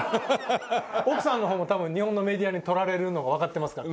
奥さんの方も多分日本のメディアに撮られるのがわかってますから。